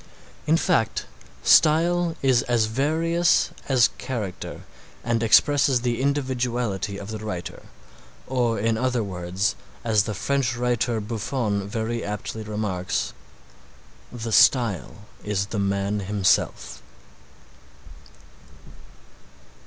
In fact style is as various as character and expresses the individuality of the writer, or in other words, as the French writer Buffon very aptly remarks, "the style is the man himself."